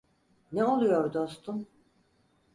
Ne oluyor dostum?